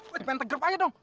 waduh pinter grip aja dong